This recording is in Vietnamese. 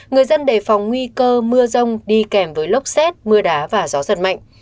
người dân đề phòng nguy cơ mưa rông đi kèm với lốc xét mưa đá và gió giật mạnh